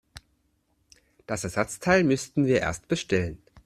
Das Ersatzteil müssten wir erst bestellen.